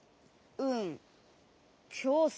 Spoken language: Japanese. うん。